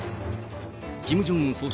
キム・ジョンウン